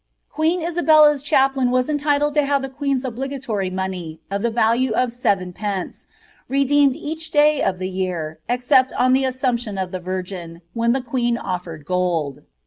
Qjaeen Isabella's chaplain was tnlhled to have the queen's oblatory money, of the value of sevethpence^ Ndeemed each day of the year, except on the assumption of the Virgin, vhen the qveen offered gold.